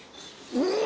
うん！